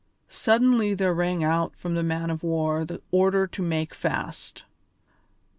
Suddenly there rang out from the man of war the order to make fast.